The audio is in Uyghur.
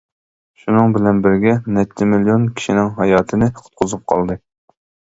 شۇنىڭ بىلەن بىرگە نەچچە مىليون كىشىنىڭ ھاياتىنى قۇتقۇزۇپ قالدى.